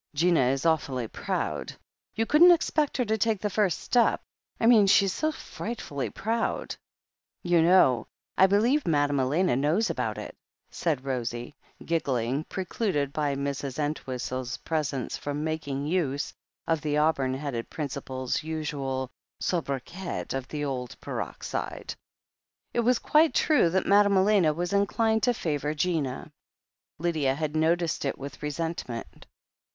"Gina is awfully proud. You couldn't expect her to take the first step. I mean, she's so frightfully proud." "You know, I believe Madame Elena knows about it," said Rosie, giggling, precluded by Mrs. Ent whistle's presence from making use of the auburn headed principal's usual sobriquet of "Old Peroxide." It was quite true that Madame Elena was inclined to favour Gina. Lydia had noticed it with resentment.